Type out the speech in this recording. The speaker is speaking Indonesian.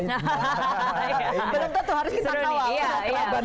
belum tentu harus kita kawalkan